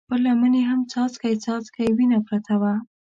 پر لمن يې هم څاڅکی څاڅکی وينه پرته وه.